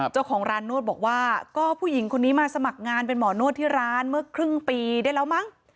เจ้าของร้านนวดบอกว่าก็ผู้หญิงคนนี้มาสมัครงานเป็นหมอนวดที่ร้านเมื่อครึ่งปีได้แล้วมั้ง